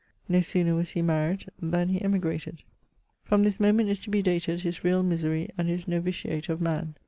No sooner was he married than he emigrated. From this moment is to be dated his real misery and his noviciate of man.